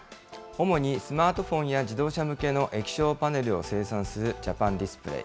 主にスマートフォンや自動車向けの液晶パネルを生産するジャパンディスプレイ。